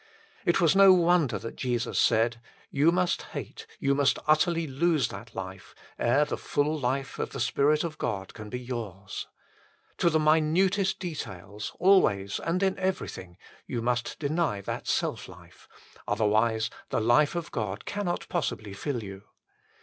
It was no wonder that Jesus said :" You must hate, you must utterly lose that life, ere the full life of the Spirit of God can be yours. To the minutest details, always and in everything, you must deny that self life ; otherwise the life of God cannot possibly fill you.